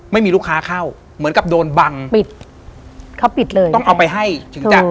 ไม่มีลูกค้าเข้าเหมือนกับโดนบังปิดเขาปิดเลยต้องเอาไปให้ถึงจะ